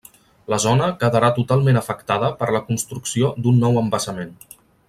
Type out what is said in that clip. La zona quedarà totalment afectada per la construcció d'un nou embassament.